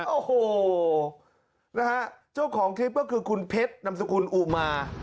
โอ้โหนะฮะเจ้าของคลิปก็คือคุณเพชรนำสกุลอุมา